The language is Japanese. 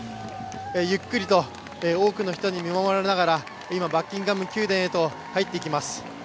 ゆっくりと多くの人に見守られながら今、バッキンガム宮殿へと入っていきます。